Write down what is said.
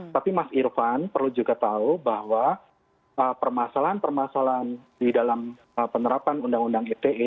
tapi mas irfan perlu juga tahu bahwa permasalahan permasalahan di dalam penerapan undang undang ite